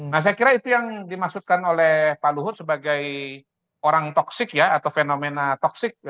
nah saya kira itu yang dimaksudkan oleh pak luhut sebagai orang toksik ya atau fenomena toxic